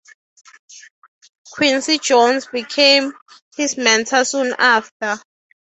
Quincy Jones became his mentor soon after.